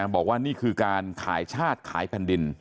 บอกว่านี่คือการขายชาติขายแผ่นดิน